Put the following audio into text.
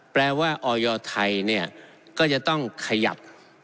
แปลว่าออยไทยเนี่ยก็จะต้องขยับ